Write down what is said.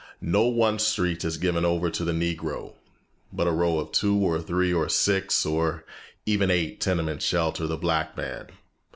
No one street is given over to the Negro, but a row of two or three or six or even eight tenements shelter the black man.